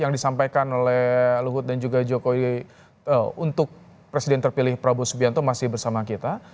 yang disampaikan oleh luhut dan juga jokowi untuk presiden terpilih prabowo subianto masih bersama kita